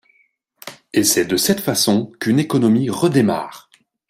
Et c’est de cette façon qu’une économie redémarre.